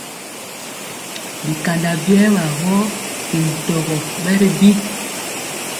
Bi kanda biewa gɔ bi ntoŋgɔ bɛ ri bi.